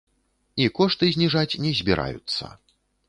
І кошты зніжаць не збіраюцца.